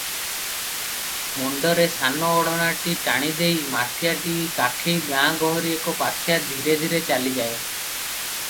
ମୁଣ୍ଡରେ ସାନ ଓଢଣାଟି ଟାଣି ଦେଇ, ମାଠିଆଟି କାଖେଇ ଗାଁ ଗୋହରୀ ଏକପାଖିଆ ଧିରେ ଧିରେ ଚାଲିଯାଏ ।